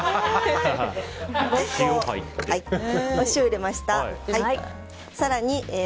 お塩を入れました。